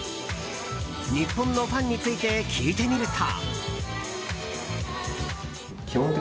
日本のファンについて聞いてみると。